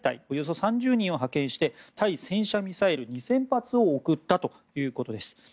およそ３０人を派遣して、対戦車ミサイル２０００発を送ったということです。